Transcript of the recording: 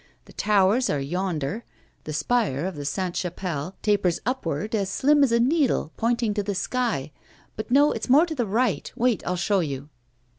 The towers are yonder; the spire of the Sainte Chapelle tapers upward, as slim as a needle pointing to the sky. But no, it's more to the right. Wait, I'll show you.